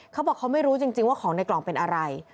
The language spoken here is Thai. เขาบอกเขาไม่รู้จริงว่าของในกล่องเป็นอะไร